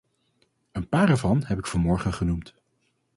Een paar ervan heb ik vanmorgen genoemd.